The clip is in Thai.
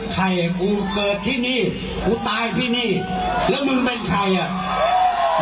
ใครกูเกิดที่นี่กูตายที่นี่แล้วมึงเป็นใครอ่ะ